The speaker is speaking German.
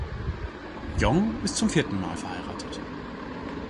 Jong ist zum vierten Mal verheiratet.